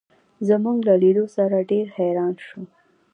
زموږ له لیدو سره ډېر حیران شو.